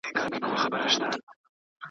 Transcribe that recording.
چا ته به یې نه ګټه نه تاوان ورسیږي .